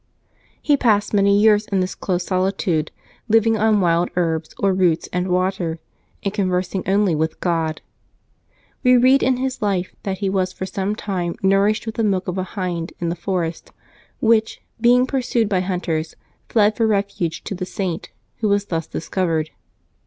He passed many years in this close solitude, living on wild herbs or roots and water, and conversing only with God. We read in his life that he was for some time nourished with the milk of a hind in the forest, which, being pursued by hunters, fled for refuge to the Saint, who was thus discovered.